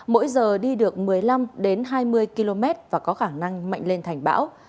mỗi giờ đi được một mươi năm hai mươi km và có khả năng mạnh lên thành bão